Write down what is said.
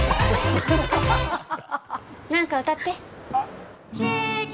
何か歌って！